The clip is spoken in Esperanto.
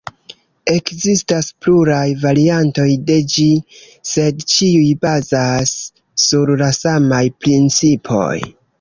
Ekzistas pluraj variantoj de ĝi, sed ĉiuj bazas sur la samaj principoj.